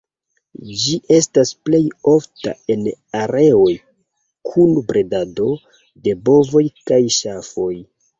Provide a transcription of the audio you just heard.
Ĝi estas plej ofta en areoj kun bredado de bovoj kaj ŝafoj.